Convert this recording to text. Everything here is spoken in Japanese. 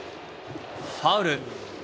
ファウル。